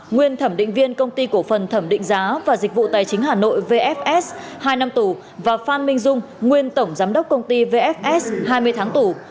nguyên thẩm định viên công ty cổ phần thẩm định giá và dịch vụ tài chính hà nội vfs hai năm tù và phan minh dung nguyên tổng giám đốc công ty vfs hai mươi tháng tù